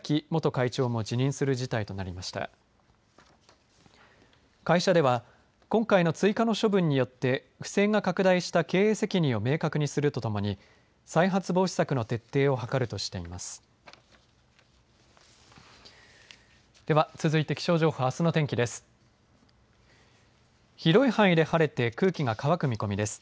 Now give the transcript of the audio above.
会社では今回の追加の処分によって不正が拡大した経営責任を明確にするとともに再発防止策の徹底を図るとしています。